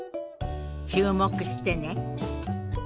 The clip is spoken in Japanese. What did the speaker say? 注目してね。